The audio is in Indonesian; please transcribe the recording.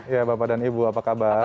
ya bapak dan ibu apa kabar